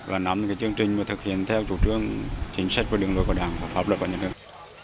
và nắm những chương trình mà thực hiện theo chủ trương chính sách của đường lối của đảng hợp lực và nhân hương